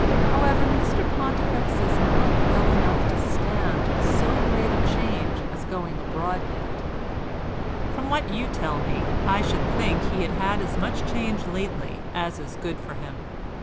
However, Mr Pontifex is not well enough to stand so great a change as going abroad yet; from what you tell me I should think he had had as much change lately as is good for him.